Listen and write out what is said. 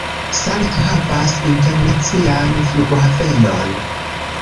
Salto havas internacian flughavenon.